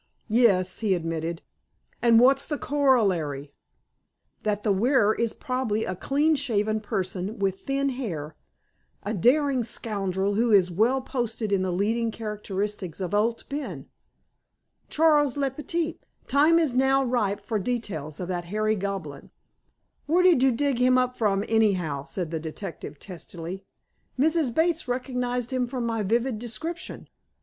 "Yes," he admitted, "and what's the corollary?" "That the wearer is probably a clean shaven person with thin hair, a daring scoundrel who is well posted in the leading characteristics of Owd Ben. Charles le Petit, time is now ripe for details of that hairy goblin." "Where did you dig him up from, anyhow?" said the detective testily. "Mrs. Bates recognized him from my vivid description."